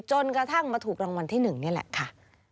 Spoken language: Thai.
จนกระทั่งมาถูกรางวัลที่๑นี่แหละค่ะ